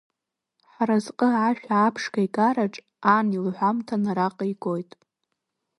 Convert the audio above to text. Ҳразҟы ашәа аԥшқа игараҿ, ан илҳәамҭан араҟа игоит.